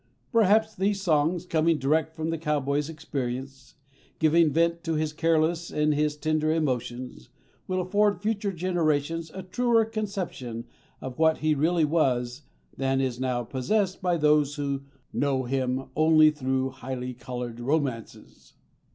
Perhaps these songs, coming direct from the cowboy's experience, giving vent to his careless and his tender emotions, will afford future generations a truer conception of what he really was than is now possessed by those who know him only through highly colored romances.